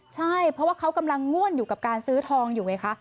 ใช่เพราะว่าเขากำลังง่วนอยู่กับการซื้อทองอยู่ไงคะ